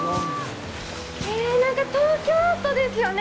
なんか、東京都ですよね？